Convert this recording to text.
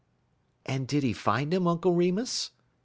"And did he find him, Uncle Remus?"